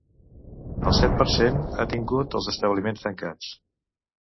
El set per cent ha tingut els establiments tancats.